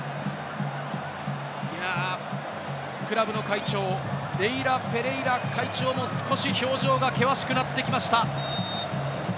クラブの会長、レイラ・ペレイラ会長も少し表情が険しくなってきました。